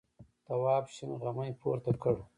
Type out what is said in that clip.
تواب شین غمی پورته کړ.